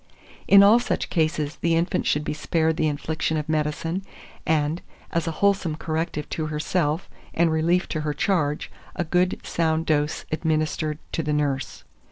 In all such cases the infant should be spared the infliction of medicine, and, as a wholesome corrective to herself, and relief to her charge, a good sound dose administered to the nurse.